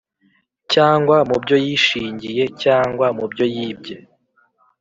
Cyangwa mu byo yishingiye cyangwa mu byo yibye